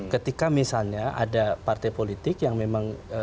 ketika misalnya ada partai politik yang memang